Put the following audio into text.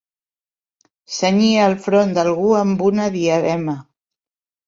Cenyir el front d'algú amb una diadema.